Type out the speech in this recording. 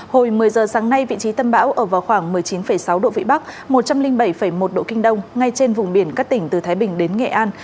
hồi một mươi giờ sáng nay vị trí tâm bão ở vào khoảng một mươi chín sáu độ vĩ bắc một trăm linh bảy một độ kinh đông ngay trên vùng biển các tỉnh từ thái bình đến nghệ an